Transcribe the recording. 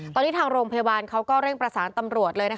ตอนนี้ทางโรงพยาบาลเขาก็เร่งประสานตำรวจเลย